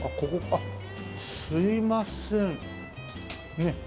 あっすいませんねっ。